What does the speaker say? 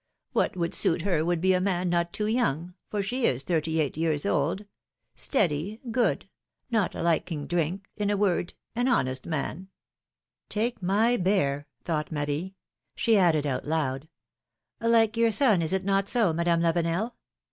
What would suit her would be a man not too young, for she is thirty eight years old ; steady, good, not liking drink — in a word, an honest man — Take my bear ! thought Marie. She added out loud : Like your son, is it not so, Madame Lavenel